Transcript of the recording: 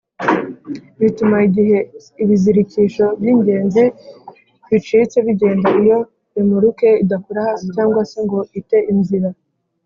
bituma igihe ibizirikisho by’ingenzi bicitse bigenda iyo remoruke idakora hasi cg se ngo ite inzira